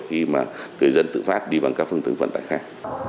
khi mà người dân tự phát đi bằng các phương tượng vận tải khác